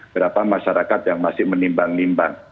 berapa masyarakat yang masih menimbang nimbang